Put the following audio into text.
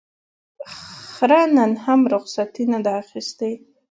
خره نن هم رخصتي نه ده اخیستې.